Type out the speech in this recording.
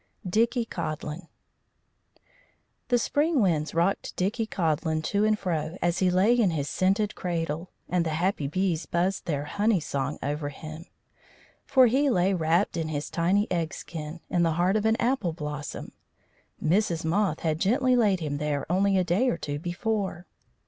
DICKIE CODLIN The spring winds rocked Dickie Codlin to and fro as he lay in his scented cradle, and the happy bees buzzed their honey song over him. For he lay wrapped in his tiny egg skin in the heart of an apple blossom. Mrs. Moth had gently laid him there only a day or two before.